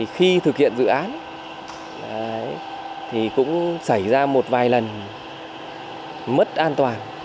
khi thực hiện dự án thì cũng xảy ra một vài lần mất an toàn